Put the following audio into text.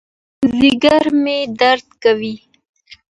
ځېګر مې درد کوي